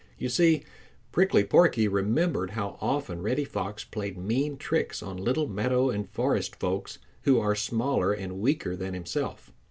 You see Prickly Porky remembered how often Reddy Fox played mean tricks on little meadow and forest folks who are smaller and weaker than himself.